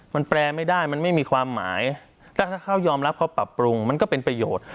มันแปลไม่ได้มันไม่มีความหมายถ้าเขายอมรับเขาปรับปรุงมันก็เป็นประโยชน์